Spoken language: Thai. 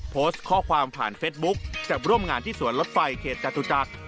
โพสต์ข้อความผ่านเฟสบุ๊คจะร่วมงานที่สวนรถไฟเขตจตุจักร